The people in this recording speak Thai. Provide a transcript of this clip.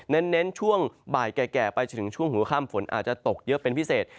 เน้นช่วงบ่ายแก่ไปจนถึงช่วงหัวข้ามฝนอาจจะตกเยอะเป็นพิเศษ